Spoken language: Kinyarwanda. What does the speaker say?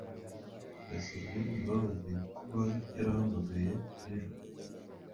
yasabye imbabazi kuba yarahamagaye nijoro.